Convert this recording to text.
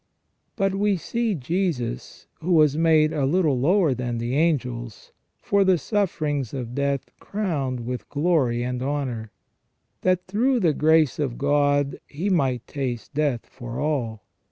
" But we see Jesus, who was made a little lower than the angels, for the sufferings of death crowned with glory and honour; that through the grace of God He might taste death for all.